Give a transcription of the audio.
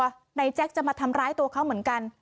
แล้วไอ้แจ็คจะมาทำร้ายตัวเขาเหมือนกัน